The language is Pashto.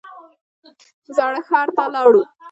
زاړه ښار ته لاړو.